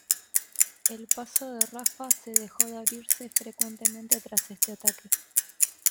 El paso de Rafah se dejó de abrirse frecuentemente tras este ataque.